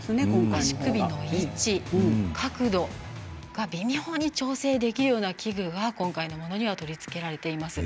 足首の位置、角度が微妙に調整できるような器具が今回のものには取り付けられています。